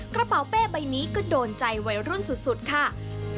กระเป๋าเป้ใบนี้ก็โดนใจวัยรุ่นสุดค่ะ